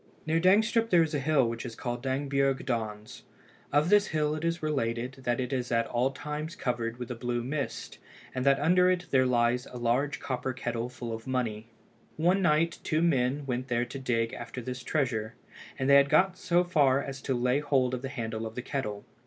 Near Dangstrup there is a hill which is called Dangbjerg Dons. Of this hill it is related that it is at all times covered with a blue mist, and that under it there lies a large copper kettle full of money. One night two men went there to dig after this treasure, and they had got so far as to lay hold of the handle of the kettle.